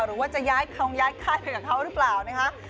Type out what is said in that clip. หรือว่าจะย้ายเขาย้ายใครไปกับเขาหรือเปล่านะครับ